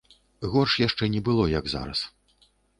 Горш яшчэ не было, як зараз.